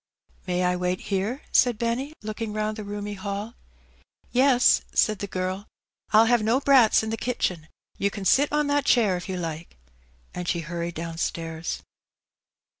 " May I wait here ?" said Benny, looking round the roomy hall. '^ Yes," said the girl ;'^ Fll have no brats in the kitchen ; you can sit on that chair if you like ;" and she hurried downstairs.